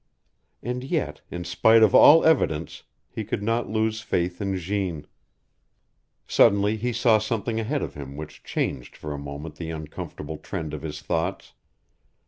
And yet, in spite of all evidence, he could not lose faith in Jeanne. Suddenly he saw something ahead of him which changed for a moment the uncomfortable trend of his thoughts.